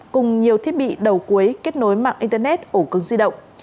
cùng nhiều thiết bị đầu cuối kết nối mạng internet ổ cứng di động